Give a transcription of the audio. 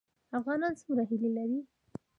افغانان څومره هیلې لري؟